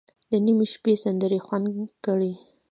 د نیمې شپې سندرې خوند کړي.